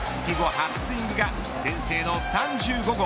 初スイングが先制の３５号。